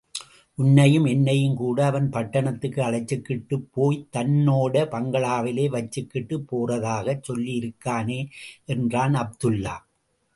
உன்னையும் என்னையும் கூட அவன் பட்டணத்துக்கு அழைச்சுக்கிட்டுப்போய்த் தன்னோட பங்களாவிலே வச்சுக்கிடப் போறதாச் சொல்லியிருக்கானே!... என்றான் அப்துல்லா.